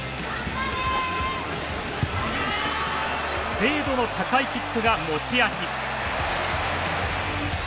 精度の高いキックが持ち味。